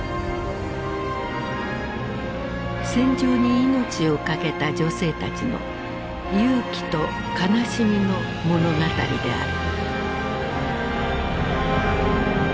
戦場に命を懸けた女性たちの勇気と悲しみの物語である。